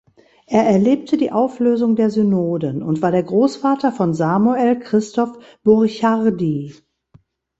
Er erlebte die Auflösung der Synoden und war der Großvater von Samuel Christoph Burchardi.